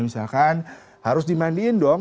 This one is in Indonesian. misalkan harus dimandiin dong